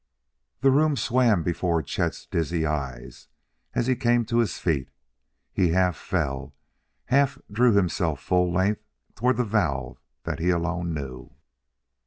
The room swam before Chet's dizzy eyes as he came to his feet. He half fell, half drew himself full length toward the valve that he alone knew.